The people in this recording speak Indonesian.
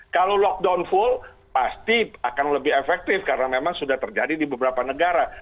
kalau lockdown full pasti akan lebih efektif karena memang sudah terjadi di beberapa negara